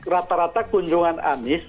rata rata kunjungan anies